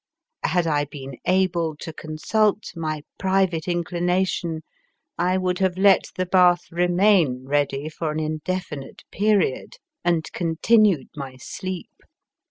Had I been able to consult my private inclination I would have let the bath remain ready for an indefinite period, and continued my sleep.